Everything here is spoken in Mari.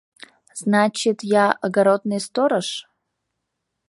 Значит, я — огородный сторож.